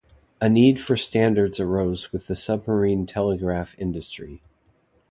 A need for standards arose with the submarine telegraph industry.